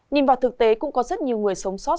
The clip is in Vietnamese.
nhìn vào thực tế cũng có rất nhiều người sống sót